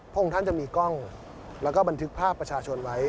องค์ท่านจะมีกล้องแล้วก็บันทึกภาพประชาชนไว้